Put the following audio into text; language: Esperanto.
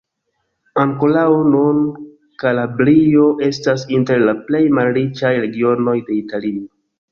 Ankoraŭ nun, Kalabrio estas inter la plej malriĉaj regionoj de Italio.